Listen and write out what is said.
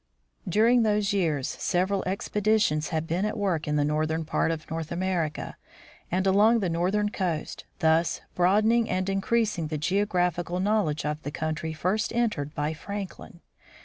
During those years several expeditions had been at work in the northern part of North America and along the northern coast, thus broadening and increasing the geographical knowledge of the country first entered by Franklin.